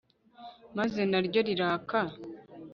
maze na ryo riraka